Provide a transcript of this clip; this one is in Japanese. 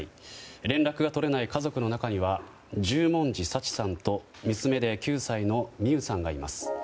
連絡が取れない家族の中には十文字抄知さんと娘で９歳の弥羽さんがいます。